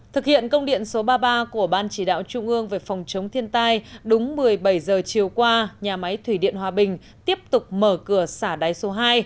thực hiện công điện số ba mươi ba của ban chỉ đạo trung ương về phòng chống thiên tai đúng một mươi bảy h chiều qua nhà máy thủy điện hòa bình tiếp tục mở cửa xả đáy số hai